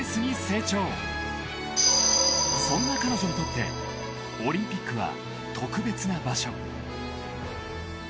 ［そんな彼女にとってオリンピックは］